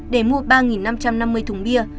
để mua ba năm trăm năm mươi thùng bia